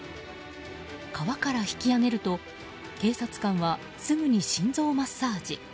川から引き上げると警察官はすぐに心臓マッサージ。